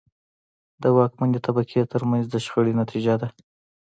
د واکمنې طبقې ترمنځ د شخړې نتیجه ده.